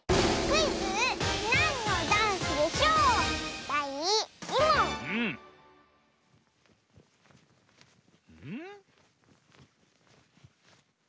はいなんのダンスでしょう？